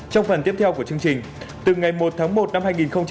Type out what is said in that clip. trong phần tiếp theo của chương trình từ ngày một tháng một năm hai nghìn hai mươi